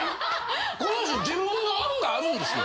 この人自分のもんがあるんですよ！